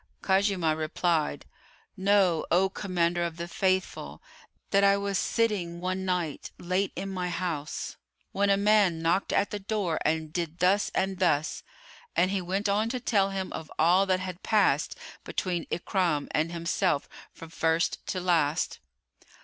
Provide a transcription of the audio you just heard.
Khuzaymah replied, "Know, O Commander of the Faithful, that I was sitting one night late in my house, when a man knocked at the door and did thus and thus;" and he went on to tell him of all that had passed between Ikrimah and himself from first to last.